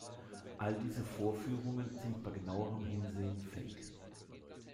All diese Vorführungen sind bei genauerem Hinsehen Fake.